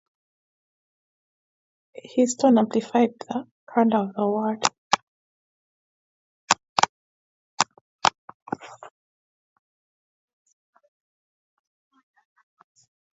His tone amplified the grandeur of the word.